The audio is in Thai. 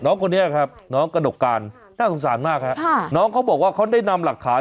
น้องคนนี้นะครับน้องกระดการน่าสงสารมากครับค่ะน้องเขาบอกว่าเขาได้นำหลักฐาน